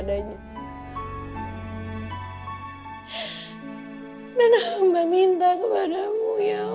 dan berbuat jahat kepadanya